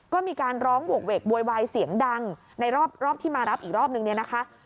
ก็มีการร้องโหกเวกโวยวายเสียงดังในรอบที่มารับอีกรอบนึงเนี่ยนะคะ